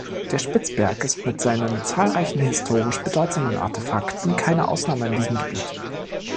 Der Spitzberg ist mit seinen zahlreichen historisch bedeutsamen Artefakten keine Ausnahme in diesem Gebiet.